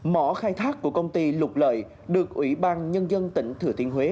mỏ khai thác của công ty lục lợi được ủy ban nhân dân tỉnh thừa thiên huế